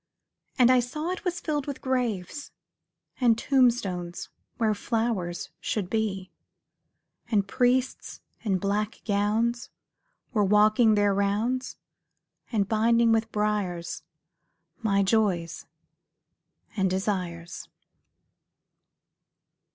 And I saw it was filled with graves, And tombstones where flowers should be; And priests in black gowns were walking their rounds, And binding with briars my joys and desires.